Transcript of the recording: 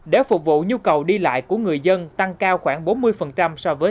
để phục vụ nhu cầu đi lại của người dân tăng cao khoảng bốn mươi so với